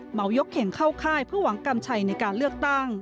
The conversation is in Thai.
หมายกเข่งเข้าค่ายเพื่อหวังกำชัยในการเลือกตั้ง